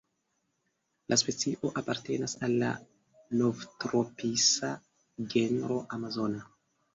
La specio apartenas al la Novtropisa genro "Amazona".